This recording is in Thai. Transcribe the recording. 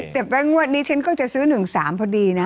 แต่ว่างวดนี้ฉันก็จะซื้อ๑๓พอดีนะ